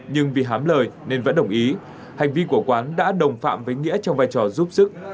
nhưng vì hám lời nên vẫn đồng ý hành vi của quán đã đồng phạm với nghĩa trong vai trò giúp sức